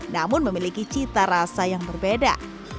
namun memiliki cita rasa yang berbeda